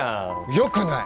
よくない！